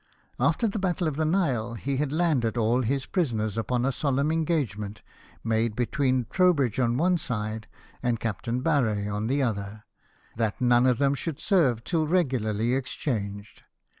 After the battle of the Nile he had landed all his prisoners, upon a solemn engagement, made between Trowbridge on one side, and Captain Barre on the other, that none of them should serve till regularly exchanged.